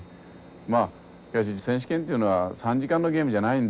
まあしかし選手権っていうのは３時間のゲームじゃないんですよね。